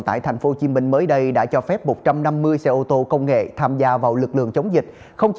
tải tp hcm mới đây đã cho phép một trăm năm mươi xe ô tô công nghệ tham gia vào lực lượng chống dịch không chỉ